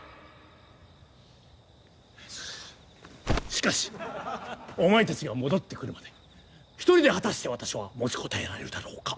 しかしお前たちが戻ってくるまで一人で果たして私は持ちこたえられるだろうか？